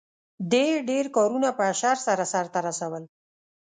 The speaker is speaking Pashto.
دې ډېر کارونه په اشر سره سرته رسول.